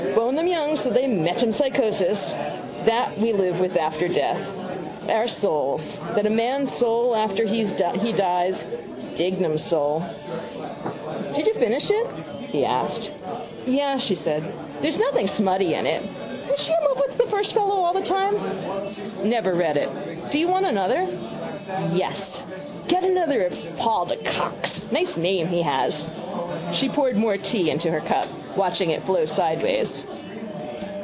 Bone them young so they metamspychosis. That we live after death. Our souls. That a man's soul after he dies. Dignam's soul... —Did you finish it? he asked. —Yes, she said. There's nothing smutty in it. Is she in love with the first fellow all the time? —Never read it. Do you want another? —Yes. Get another of Paul de Kock's. Nice name he has. She poured more tea into her cup, watching it flow sideways.